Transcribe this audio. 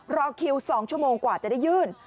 รอคิว๒ชั่วโมงกว่าจะได้ยื่น